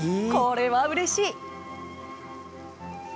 これは、うれしい。